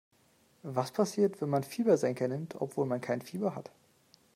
Was passiert, wenn man Fiebersenker nimmt, obwohl man kein Fieber hat?